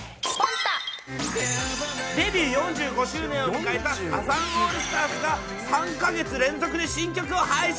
デビュー４５周年を迎えたサザンオールスターズが３か月連続で新曲を配信。